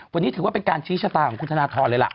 วันนี้ถือว่าเป็นการชี้ชะตาของคุณธนทรเลยล่ะ